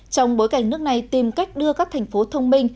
trong bối cảnh nước này tìm cách đưa các thành phố thông minh